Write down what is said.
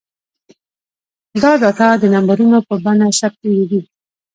دا ډاټا د نمبرونو په بڼه ثبتوي.